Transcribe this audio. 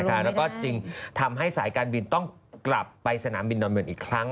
แล้วก็จึงทำให้สายการบินต้องกลับไปสนามบินดอนเมืองอีกครั้ง